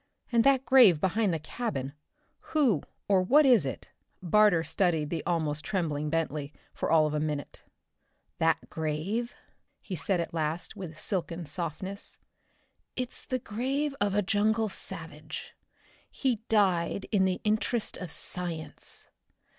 And that grave behind the cabin, who or what is it?" Barter studied the almost trembling Bentley for all of a minute. "That grave?" he said at last, with silken softness. "It's the grave of a jungle savage. He died in the interest of science.